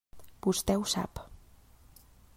Vostè ho sap.